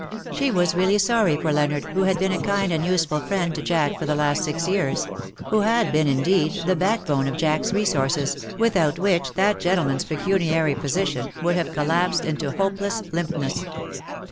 She was really sorry for Leonard, who had been a kind and useful friend to Jack for the last six years — who had been indeed the backbone of Jack^s resources, without which that gentleman's pecuniary position would have collapsed into hopeless limpness.